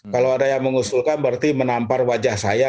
kalau ada yang mengusulkan berarti menampar wajah saya